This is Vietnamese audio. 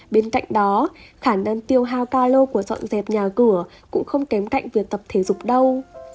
bên cạnh đó khả năng tiêu hao cal của dọn dẹp nhà cửa cũng không kém cạnh việc tập thể dục đâu